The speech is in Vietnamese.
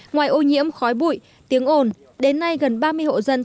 ngoài ô nhiễm khói bụi tiếng ồn đến nay gần ba mươi hộ dân thôn bằng lãng